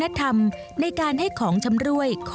ทำให้ได้รับอิทธิพลทางวัฒนธรรมในการให้ของชำรวยของขวัญแก่กัน